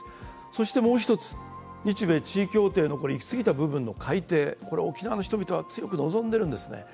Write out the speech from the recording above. そしてもう一つ、日米地位協定の行き過ぎた部分の改定、これ、沖縄の人々は強く望んでるんですね。